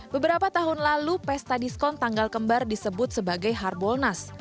beberapa tahun lalu pesta diskon tanggal kembar disebut sebagai harbolnas